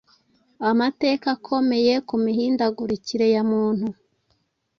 Amateka akomeye ku mihindagurikire ya muntu